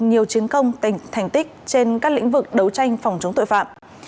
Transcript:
nhiều chiến công tình thành tích trên các lĩnh vực đấu tranh phòng chống tội phạm